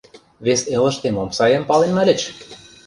— Вес элыште мом сайым пален нальыч?